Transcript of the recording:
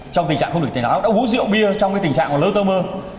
trong tình trạng không được tỉnh táo đã uống rượu bia trong cái tình trạng lơ tơ mơ